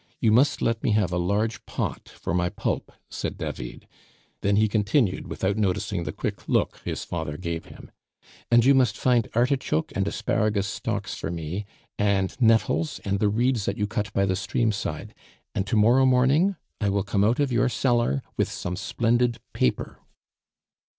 You must let me have a large pot for my pulp," said David; then he continued, without noticing the quick look his father gave him, "and you must find artichoke and asparagus stalks for me, and nettles, and the reeds that you cut by the stream side, and to morrow morning I will come out of your cellar with some splendid paper."